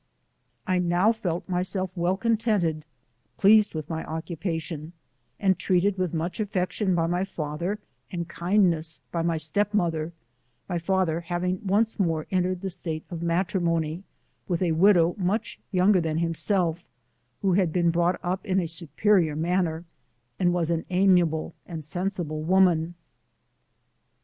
I now felt myself well contented, pleased with my occupation, and treated with much affection by my father, and kindness by my step mother, my father having once more entered the state of matrimony, with a widow much younger than himself, who had been brought up in a superior manner, and was an aroia* ble and sensible woman.